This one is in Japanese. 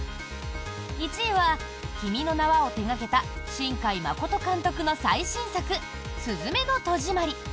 １位は「君の名は。」を手掛けた新海誠監督の最新作「すずめの戸締まり」。